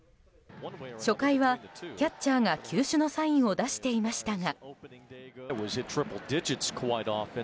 初回は、キャッチャーが球種のサインを出していましたが。